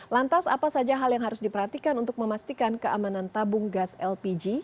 lantas apa saja hal yang harus diperhatikan untuk memastikan keamanan tabung gas lpg